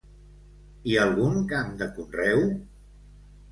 I algun camp de conreu?